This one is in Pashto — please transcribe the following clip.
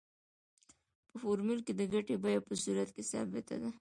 په فورمول کې د ګټې بیه په صورت کې ثابته ده